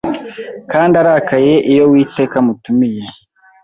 Kandi arakaye iyo Uwiteka amutumiye